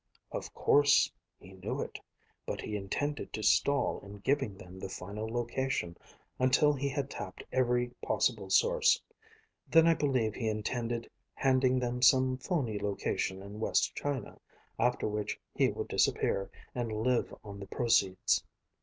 "Of course. He knew it. But he intended to stall in giving them the final location until he had tapped every possible source. Then I believe he intended handing them some phony location in West China, after which he would disappear and live on the proceeds.